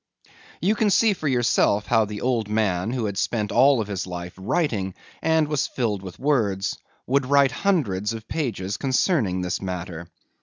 You can see for yourself how the old man, who had spent all of his life writing and was filled with words, would write hundreds of pages concerning this matter.